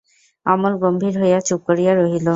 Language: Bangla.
অমল গম্ভীর হইয়া চুপ করিয়া রহিল।